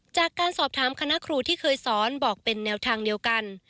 จากการสอบถามคณะครูที่เคยสอนบอกเป็นแนวทางเดียวกัน